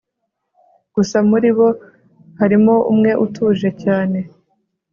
gusa muribo harimo umwe utuje cyane